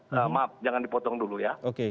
mohon maaf jangan dipotong dulu ya